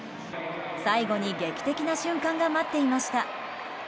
最後に劇的な瞬間が待っていました。